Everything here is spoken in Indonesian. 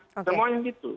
semuanya yang gitu